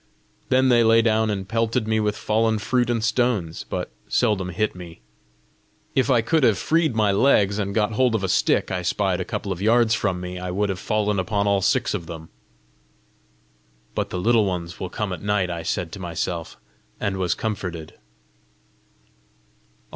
Then they lay down and pelted me with fallen fruit and stones, but seldom hit me. If I could have freed my legs, and got hold of a stick I spied a couple of yards from me, I would have fallen upon all six of them! "But the Little Ones will come at night!" I said to myself, and was comforted.